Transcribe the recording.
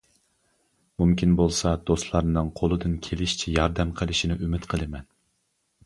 مۇمكىن بولسا دوستلارنىڭ قولىدىن كېلىشىچە ياردەم قىلىشىنى ئۈمىد قىلىمەن!